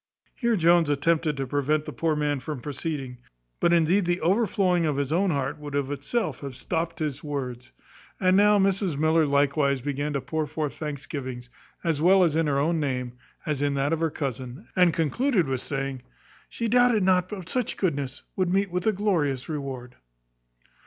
Here Jones attempted to prevent the poor man from proceeding; but indeed the overflowing of his own heart would of itself have stopped his words. And now Mrs Miller likewise began to pour forth thanksgivings, as well in her own name, as in that of her cousin, and concluded with saying, "She doubted not but such goodness would meet a glorious reward."